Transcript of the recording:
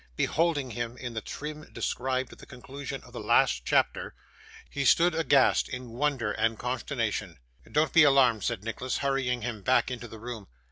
Beholding him in the trim described at the conclusion of the last chapter, he stood aghast in wonder and consternation. 'Don't be alarmed,' said Nicholas, hurrying him back into the room.